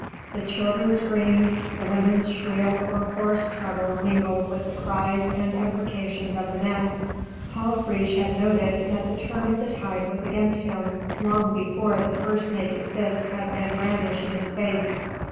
The children screamed, the women's shrill or hoarse treble mingled with the cries and imprecations of the men. Paul Friche had noted that the turn of the tide was against him, long before the first naked fist had been brandished in his face.